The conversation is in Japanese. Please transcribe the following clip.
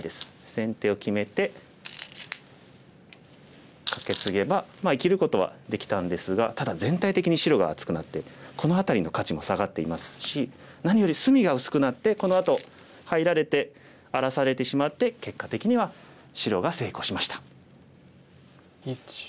先手を決めてカケツゲば生きることはできたんですがただ全体的に白が厚くなってこの辺りの価値も下がっていますし何より隅が薄くなってこのあと入られて荒らされてしまって結果的には白が成功しました。